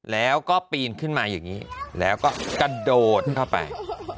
แล้วก็ปีนขึ้นมาอย่างนี้แล้วก็กระโดดเข้าไป